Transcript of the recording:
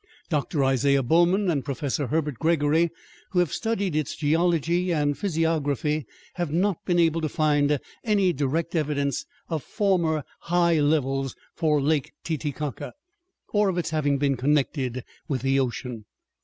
Dr. Isaiah Bowman and Professor Herbert Gregory, who have studied its geology and physiography, have not been able to find any direct evidence of former high levels for Lake Titicaca, or of its having been connected with the ocean.